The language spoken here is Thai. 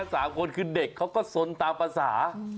สามคนคือเด็กเขาก็สนตามภาษา